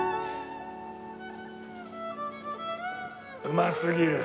うますぎる。